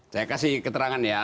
saya kasih keterangan ya